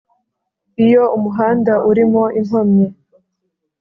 iyo umuhanda urimo inkomyi